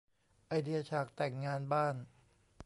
ไอเดียฉากแต่งงานบ้าน